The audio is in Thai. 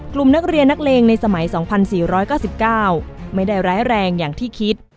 กลุ่มนักเรียนนักเลงในสมัย๒๔๙๙ไม่ได้ร้ายแรงอย่างที่คิด